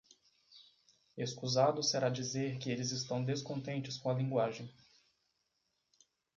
Escusado será dizer que eles estão descontentes com a linguagem.